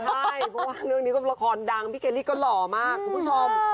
ใช่พวกนี้ก็ละครดังพี่เคนลี่ก็หล่อมากคุณผู้ชม